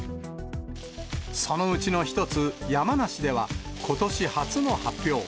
そのうちの一つ、山梨では、ことし初の発表。